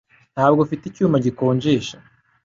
Ntabwo ufite icyuma gikonjesha